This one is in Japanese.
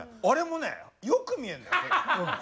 あれもねよく見えるのよ。